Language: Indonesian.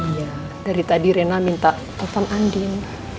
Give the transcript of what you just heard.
iya dari tadi rena minta tovan andin